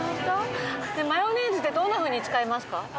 マヨネーズってどんなふうに使いますか？